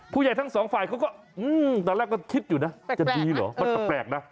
ผู้ใหญ่ทั้งสองฝ่ายเขาก็ตอนแรกก็คิดอยู่นะจะดีเหรอมันแปลกนะ